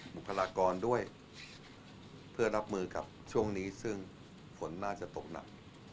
บุคลากรด้วยเพื่อรับมือกับช่วงนี้ซึ่งฝนน่าจะตกหนัก